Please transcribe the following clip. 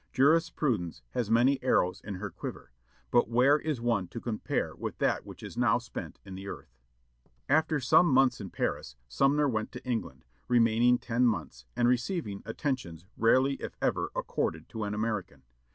Jurisprudence has many arrows in her quiver, but where is one to compare with that which is now spent in the earth?" After some months in Paris, Sumner went to England, remaining ten months, and receiving attentions rarely if ever accorded to an American.